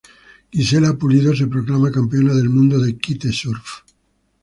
Gisela Pulido se proclama campeona del mundo de Kitesurf.